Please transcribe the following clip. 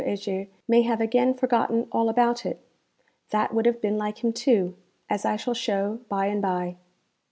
Heger may have again forgotten all about it? That would have been like him too, as I shall show by and by.